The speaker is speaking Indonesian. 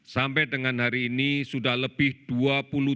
sampai dengan hari ini sudah lebih dua